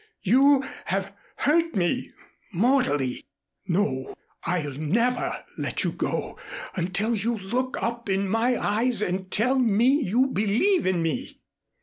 You have hurt me mortally." "No. I'll never let you go, until you look up in my eyes and tell me you believe in me."